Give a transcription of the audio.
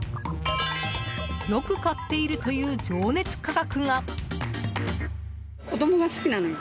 よく買っているという情熱価格が。